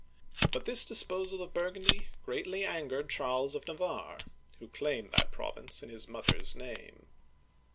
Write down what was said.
But this disposal of Burgundy greatly angered Charles of Navarre, who claimed that province in his mother's name.